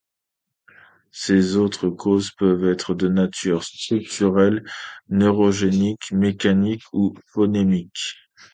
Ces autres causes peuvent être de nature structurelle, neurogénique, mécanique ou phonémique.